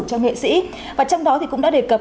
cho nghệ sĩ và trong đó thì cũng đã đề cập